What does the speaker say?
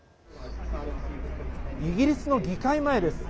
イギリスの議会前です。